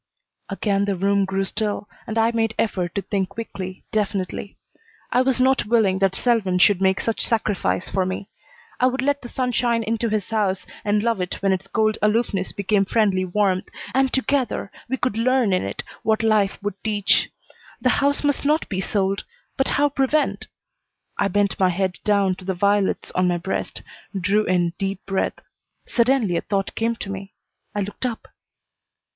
Again the room grew still and I made effort to think quickly, definitely. I was not willing that Selwyn should make such sacrifice for me. I would let the sunshine into his house and love it when its cold aloofness became friendly warmth, and together we could learn in it what life would teach. The house must not be sold, but how prevent? I bent my head down to the violets on my breast, drew in deep breath. Suddenly a thought came to me. I looked up.